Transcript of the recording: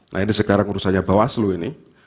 nah ini sekarang urusannya bawaslu ini